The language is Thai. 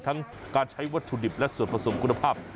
ทั้งการใช้วัตถุดิบและส่วนผสมคุณภาพ